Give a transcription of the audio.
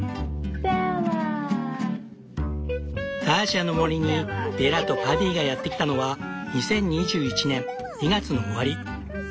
ターシャの森にベラとパディがやって来たのは２０２１年２月の終わり。